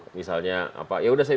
mas gibran nggak urun rembung